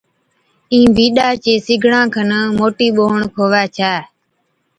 اِين بِينڏا چِي سِگڙان کن موٽِي ٻوھڻ کووي ڇَي